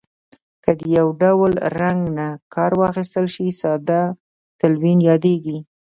که د یو ډول رنګ نه کار واخیستل شي ساده تلوین یادیږي.